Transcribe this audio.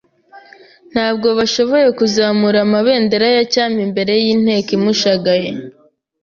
Ntabwo bashoboye kuzamura amabendera ya cyami imbere y'inteko imushagaye,